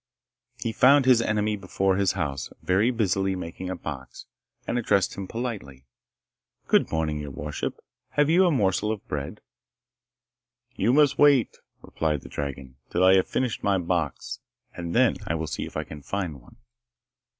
He found his enemy before his house, very busy making a box, and addressed him politely, 'Good morning, your worship. Have you a morsel of bread?' 'You must wait,' replied the dragon, 'till I have finished my box, and then I will see if I can find one.